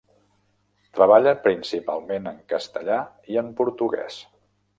Treballa principalment en castellà i en portuguès.